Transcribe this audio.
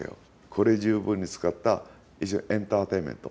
これ十分に使った非常にエンターテインメント。